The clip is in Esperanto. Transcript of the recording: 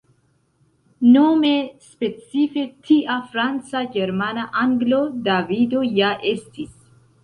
Nome specife tia Franca Germana Anglo Davido ja estis.